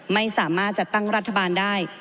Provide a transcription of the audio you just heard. ไม่สามารถจัดตั้งรัฐบาลได้